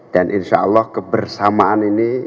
dan insya allah kebersamaan ini